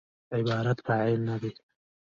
عبارت فعل نه لري.